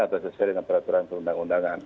atau sesuai dengan peraturan perundang undangan